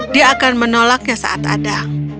dia akan menolaknya saat ada